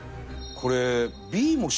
これ。